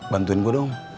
bantuin gue dong